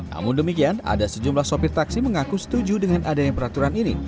namun demikian ada sejumlah sopir taksi mengaku setuju dengan adanya peraturan ini